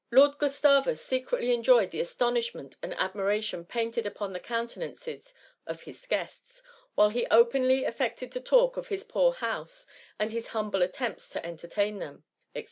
Lord Gustavus secretly enjoyed the astonish* ment and admiration painted upon the counte* nances of his guests; and whilst he openly affect* ed to talk of his ^* poor house,^ and his humble VOL. I. H 146 THE MUMMY. attempts to entertain them,^ &c.